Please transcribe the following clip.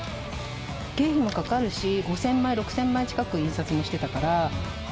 経費もかかるし、５０００枚、６０００枚近くも印刷をしてたから。